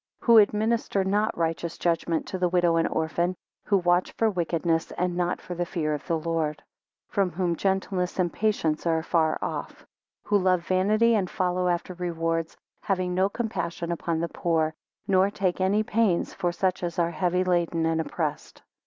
4 Who administer not righteous judgment to the widow and orphan; who watch for wickedness, and not for the fear of the Lord; 5 From whom gentleness and patience are far off: who love vanity, and follow after rewards; having no compassion upon the poor; nor take any pains for such as are heavy laden and oppressed.